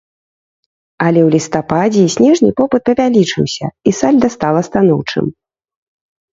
Але у лістападзе і снежні попыт павялічыўся, і сальда стала станоўчым.